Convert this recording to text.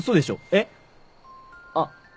えっ？あっ。